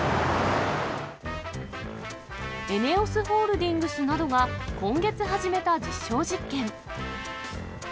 ＥＮＥＯＳホールディングスなどが今月始めた実証実験。